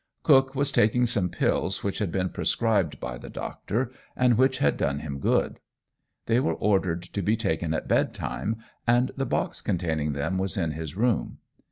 Cook was taking some pills which had been prescribed by the doctor, and which had done him good. They were ordered to be taken at bedtime, and the box containing them was in his room.